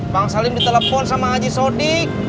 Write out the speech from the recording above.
bang salim ditelepon sama haji sodik